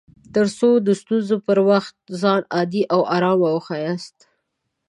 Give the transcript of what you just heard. تر څو د ستونزو پر وخت ځان عادي او ارام وښياست